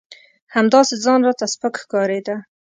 همداسې ځان راته سپک ښکارېده.